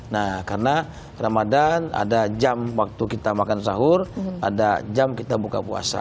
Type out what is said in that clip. nah karena ramadan ada jam waktu kita makan sahur ada jam kita buka puasa